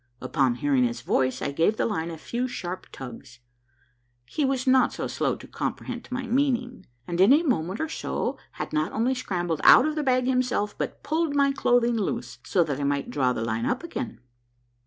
I'pon hearing his voice, I gave the line a few sharp tugs. lie was not slow to comprehend my meaning, and in a moment or so had not only scrambled out of the bag himself, but pulled my clothing loose, so that I might draw the line up again.